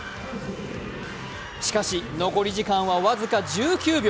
しかし、残り時間は僅か１９秒。